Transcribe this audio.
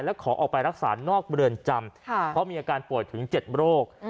และขอออกไปรักษานอกเรือนจำเพราะมีอาการป่วยถึง๗โรค